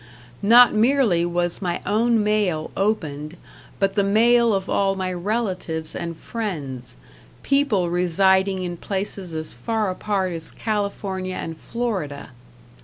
Not merely was my own mail opened, but the mail of all my relatives and friends people residing in places as far apart as California and Florida.